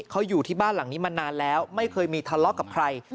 เขาอยู่ที่บ้านหลังนี้มานานแล้วไม่เคยมีทะเลาะกับใคร